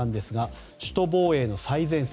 首都防衛の最前線